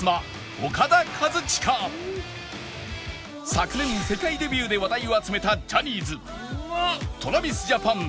昨年世界デビューで話題を集めたジャニーズ ＴｒａｖｉｓＪａｐａｎ